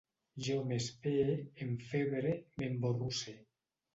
Jo m'espee, enfebre, m'emborrusse